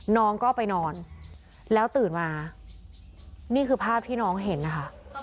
น้องก็ไปนอนแล้วตื่นมานี่คือภาพที่น้องเห็นนะคะ